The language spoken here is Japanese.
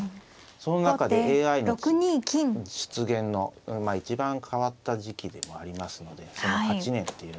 その中でＡＩの出現の一番変わった時期でもありますのでその８年っていうのは。